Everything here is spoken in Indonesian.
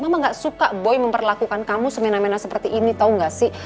mama gak suka boy memperlakukan kamu semena mena seperti ini tau gak sih